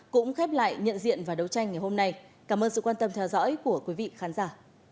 cũng khép lại nhận diện và đấu tranh ngày hôm nay cảm ơn sự quan tâm theo dõi của quý vị khán giả